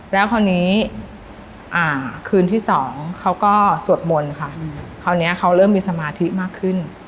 แล้วคราวนี้คืนที่สองเขาก็สวดมนต์ค่ะคราวนี้เขาเริ่มมีสมาธิมากขึ้น